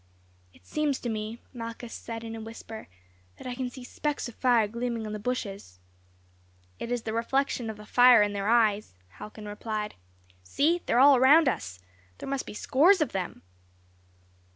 "It seems to me," Malchus said in a whisper, "that I can see specks of fire gleaming on the bushes." "It is the reflection of the fire in their eyes," Halcon replied. "See! they are all round us! There must be scores of them."